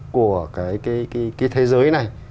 của cái thế giới này